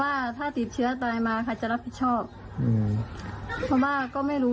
ว่าถ้าติดเชื้อตายมาค่ะจะรับผิดชอบอืมเพราะว่าก็ไม่รู้